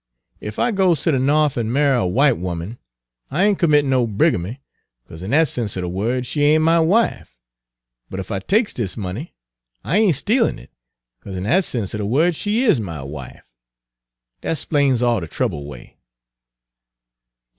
Ef I goes ter de Norf an' marry a w'ite 'omen, I ain't commit no brigamy, 'caze in dat sense er de word she ain't my wife; but ef I takes dis money, I ain't stealin' it, 'caze in dat sense er de word she is my wife. Dat 'splains all de trouble away."